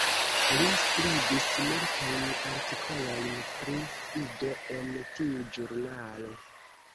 Li skribis multajn artikolojn pri Ido en tiu ĵurnalo.